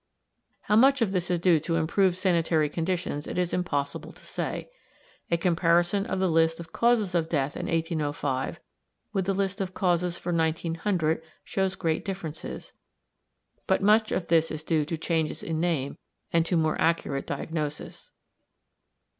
How much of this is due to improved sanitary conditions it is impossible to say. A comparison of the list of causes of death in 1805 with the list of causes for 1900 shows great differences, but much of this is due to changes in name and to more accurate diagnosis.